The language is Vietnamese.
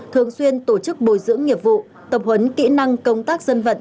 thường xuyên tổ chức bồi dưỡng nghiệp vụ tập huấn kỹ năng công tác dân vận